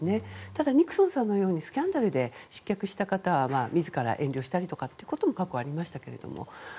ただ、ニクソンさんのようにスキャンダルで失脚した方は自ら、遠慮したりということも過去にありましたけれども。